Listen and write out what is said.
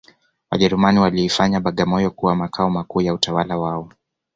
Wajerumani waliifanya bagamoyo kuwa makao makuu ya utawala wao